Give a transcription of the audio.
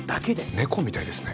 猫みたいですね。